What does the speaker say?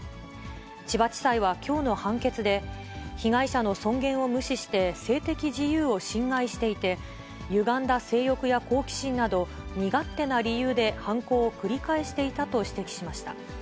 千葉地裁はきょうの判決で、被害者の尊厳を無視して性的自由を侵害していて、ゆがんだ性欲や好奇心など、身勝手な理由で犯行を繰り返していたと指摘しました。